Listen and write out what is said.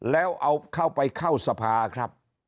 แล้วเอาเข้าไปเข้าสภาครับ